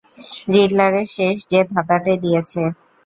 রিডলারের শেষ যে ধাঁধাটা দিয়েছে।